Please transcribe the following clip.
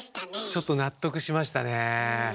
ちょっと納得しましたねえ。